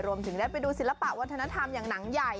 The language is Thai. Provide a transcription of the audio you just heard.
ก็ไปดูศิลปะวัฒนธรรมอย่างหนังใหญ่